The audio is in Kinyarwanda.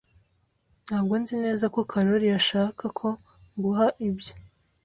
Ntabwo nzi neza ko Karoli yashaka ko nguha ibyo.